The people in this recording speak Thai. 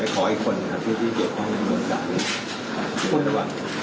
คนสุดท้ายนี้ไม่ใช่คนสุดท้ายนี้เป็นผู้โรคของบนการที่เว็บกว่างไปกด